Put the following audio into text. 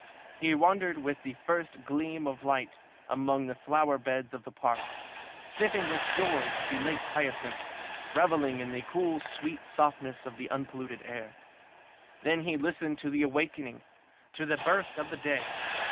He wandered with the first gleam of light among the flower beds of the Park, sniffing with joy at the late hyacinths, revelling in the cool, sweet softness of the unpolluted air. Then he listened to the awakening, to the birth of the day.